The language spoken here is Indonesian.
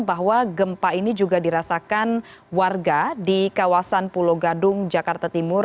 bahwa gempa ini juga dirasakan warga di kawasan pulau gadung jakarta timur